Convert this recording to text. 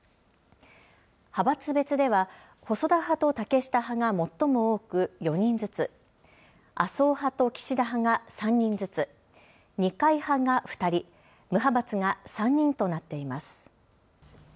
派閥別では細田派と竹下派が最も多く４人ずつ、麻生派と岸田派が３人ずつ、二階派が２人、無派閥が３人となっています。